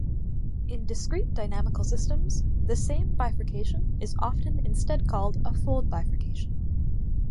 In discrete dynamical systems, the same bifurcation is often instead called a fold bifurcation.